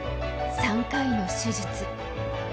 ３回の手術。